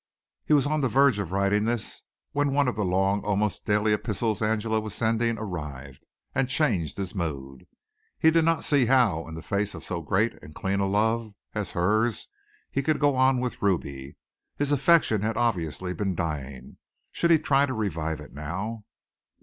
He was on the verge of writing this, when one of the long, almost daily epistles Angela was sending arrived and changed his mood. He did not see how, in the face of so great and clean a love as hers, he could go on with Ruby. His affection had obviously been dying. Should he try to revive it now?